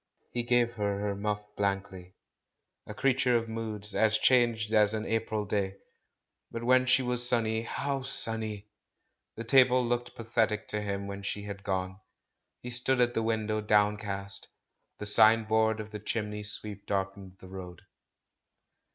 He gave her her muff blankly. A creature of moods, as changeful as an April day ! But when she was THE CALL FROM THE PAST 411 sunny, how sunny! The table looked pathetic to him when she had gone. He stood at the win dow, downcast; the signboard of the chimney sweep darkened the road.